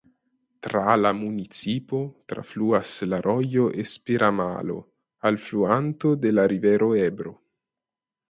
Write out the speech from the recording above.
Tra la municipo trafluas la rojo Esperamalo alfluanto de la rivero Ebro.